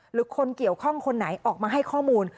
หรือคนเกี่ยวข้องคนไหนออกมาให้ข้อมูล